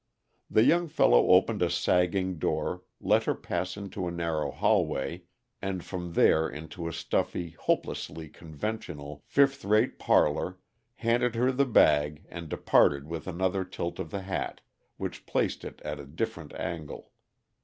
The young fellow opened a sagging door, let her pass into a narrow hallway, and from there into a stuffy, hopelessly conventional fifth rate parlor, handed her the bag, and departed with another tilt of the hat which placed it at a different angle.